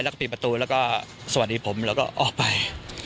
แล้วก็ปิดประตูแล้วก็สวัสดีผมแล้วก็ออกไป